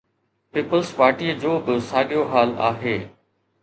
Peoples پارٽيءَ جو به ساڳيو حال آهي.